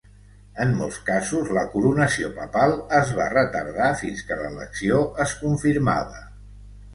En molts casos, la coronació papal es va retardar fins que l'elecció es confirmava.